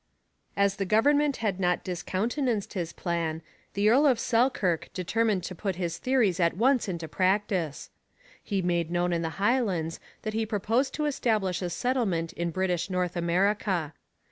As the government had not discountenanced his plan, the Earl of Selkirk determined to put his theories at once into practice. He made known in the Highlands that he proposed to establish a settlement in British North America.